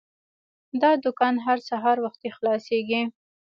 دا دوکان هر سهار وختي خلاصیږي.